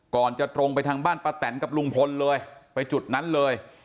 ก่อนจะตรงไปทางบ้านป้าแตนกับลุงพลเลยไปจุดนั้นเลย